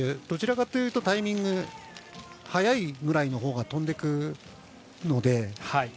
どちらかというとタイミング早いぐらいのほうが飛んでいくので。